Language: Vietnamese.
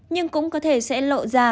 nhưng cũng có thể sẽ lộ ra